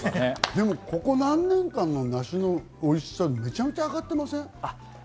ここ何年間かの梨のおいしさ、めちゃめちゃがってません？